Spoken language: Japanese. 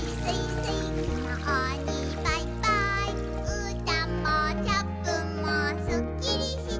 「うーたんもチャップンもスッキリして」